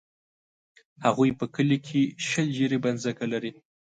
هغوی په کلي کښې شل جریبه ځمکه لري.